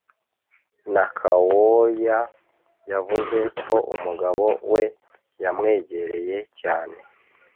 nakawooya yavuze ko umugabo we yamwegereye cyane